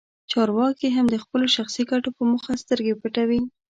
چارواکي هم د خپلو شخصي ګټو په موخه سترګې پټوي.